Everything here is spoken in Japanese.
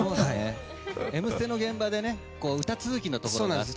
「Ｍステ」の現場で歌続きのところがあって。